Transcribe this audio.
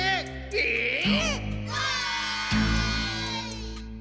えっ？わい！